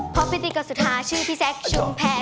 ช่องพิธีก่อนสุดท้ายชื่อพี่แซ็คชุ่มแพร่